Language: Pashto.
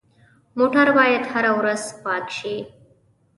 موټر باید هره ورځ پاک شي.